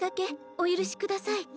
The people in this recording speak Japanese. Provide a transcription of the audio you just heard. お許しください。